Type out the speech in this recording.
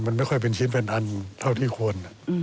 มันไม่ค่อยเป็นชิ้นเป็นอันเท่าที่ควร